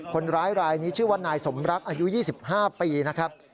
คนร้ายรายนี้ชื่อว่านายสมรักอายุ๒๕ปีนะครับ